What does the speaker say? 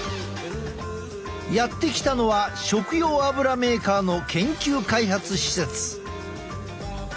やって来たのは食用油メーカーの研究開発施設。